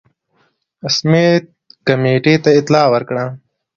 سمیت کمېټې ته اطلاع ورکړه.